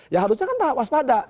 ya harusnya kan waspada